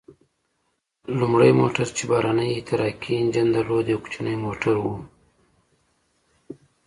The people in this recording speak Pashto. لومړی موټر چې بهرنی احتراقي انجن درلود، یو کوچنی موټر و.